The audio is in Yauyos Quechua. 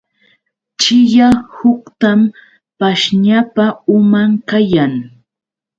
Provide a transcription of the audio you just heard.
Chiya huntam pashñapa uman kayan.